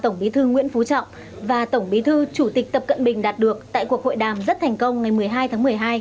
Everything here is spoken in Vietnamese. tổng bí thư nguyễn phú trọng và tổng bí thư chủ tịch tập cận bình đạt được tại cuộc hội đàm rất thành công ngày một mươi hai tháng một mươi hai